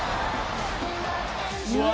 うわ！